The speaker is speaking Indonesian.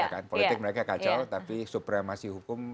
politik mereka kacau tapi supremasi hukum